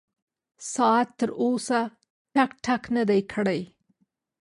ساعت تر اوسه ټک ټک نه دی کړی.